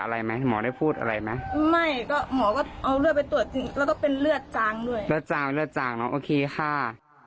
และจางด้วยและจางและจางน้องโอเคค่ะ